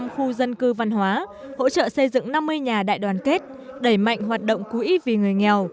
một mươi khu dân cư văn hóa hỗ trợ xây dựng năm mươi nhà đại đoàn kết đẩy mạnh hoạt động quỹ vì người nghèo